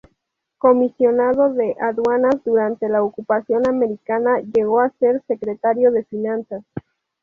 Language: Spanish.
Comisionado de Aduanas durante la ocupación americana, llegó a ser Secretario de Finanzas.